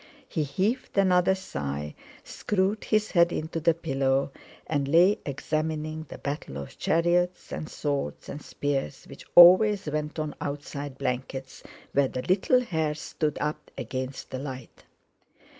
He heaved another sigh, screwed his head into the pillow and lay examining the battle of chariots and swords and spears which always went on outside blankets, where the little hairs stood up against the light.